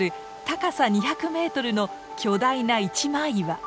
高さ２００メートルの巨大な一枚岩。